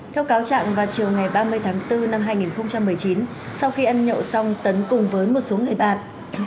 theo cáo trạng vào chiều ngày ba mươi tháng bốn năm hai nghìn một mươi chín sau khi ăn nhậu xong tấn cùng với một số người bạn